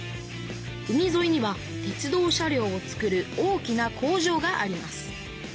海ぞいには鉄道車両をつくる大きな工場があります。